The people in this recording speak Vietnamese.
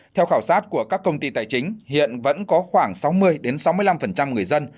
theo khảo sát của các công ty tài chính hiện vẫn có khoảng sáu mươi sáu mươi năm người dân